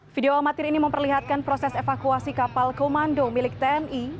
video amatir ini memperlihatkan proses evakuasi kapal komando milik tni